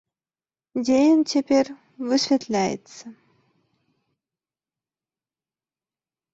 Дзе ён цяпер, высвятляецца.